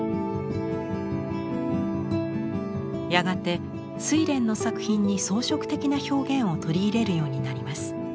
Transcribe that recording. やがて「睡蓮」の作品に装飾的な表現を取り入れるようになります。